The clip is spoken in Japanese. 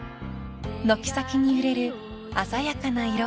［軒先に揺れる鮮やかな色］